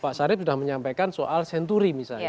pak sarip sudah menyampaikan soal senturi misalnya